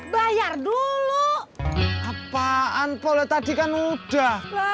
bayar dulu apaan boleh tadi kan udah